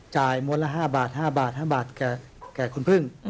จ่ายม้วนละ๕บาทแก่คุณพึ่ง